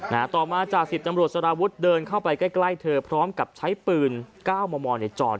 นะปอบมาจากศิษย์จำรวจสลาวุธเดินเข้าไปใกล้เธอพร้อมกับใช้ปืน๙๐๐๐ในจอนที่หน้าผากตัวเองครับ